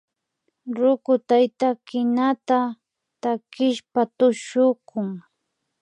Ruku tayta kinata takishpa tushukun